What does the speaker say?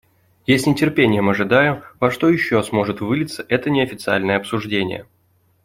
Я с нетерпением ожидаю, во что же еще сможет вылиться это неофициальное обсуждение.